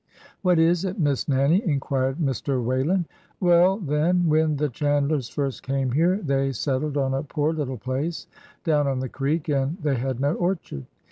" What is it. Miss Nannie? " inquired Mr. Whalen. " Well, then : when the Chandlers first came here they settled on a poor little place down on the creek, and they had no orchard.